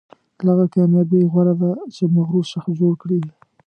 له هغه کامیابۍ غوره ده چې مغرور شخص جوړ کړي.